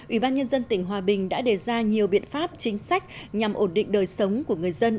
ủy ban nhân dân tỉnh hòa bình đã đề ra nhiều biện pháp chính sách nhằm ổn định đời sống của người dân